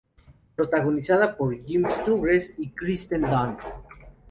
Protagonizada por Jim Sturgess y Kirsten Dunst.